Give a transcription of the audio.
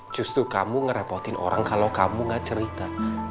justru kamu ngerepotin orang kalau kamu gak cerita